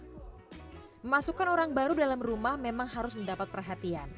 memasukkan orang baru dalam rumah memang harus mendapat perhatian